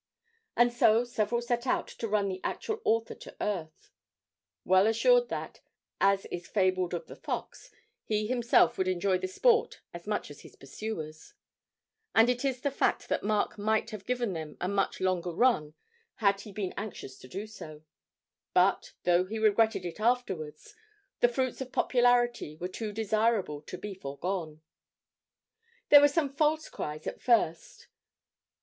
And so several set out to run the actual author to earth, well assured that, as is fabled of the fox, he himself would enjoy the sport as much as his pursuers; and it is the fact that Mark might have given them a much longer run had he been anxious to do so, but, though he regretted it afterwards, the fruits of popularity were too desirable to be foregone. There were some false cries at first.